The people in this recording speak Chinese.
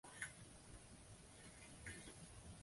有积极的参与音乐活动。